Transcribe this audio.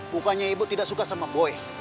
bukannya ibu tidak suka sama boy